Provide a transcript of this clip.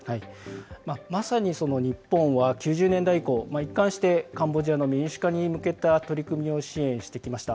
まさに日本は９０年代以降、一貫してカンボジアの民主化に向けた取り組みを支援してきました。